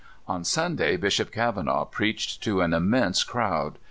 On Sunday, Bishop Kavanaugh preached to an immense crowd.